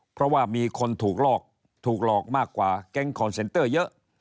เพราะว่ามีคนถูกหลอกถูกหลอกมากกว่าแก๊งคอนเซนเตอร์เยอะ